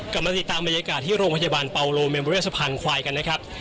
กลับมาติดตามบรรยากาศที่โรงพยาบาลเปาโลเมมเบอรี่สะพานควายกันนะครับ